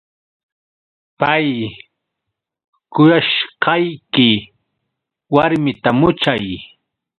Pay kuyashqayki warmita muchay.